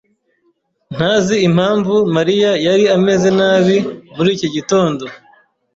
ntazi impamvu Mariya yari ameze nabi muri iki gitondo.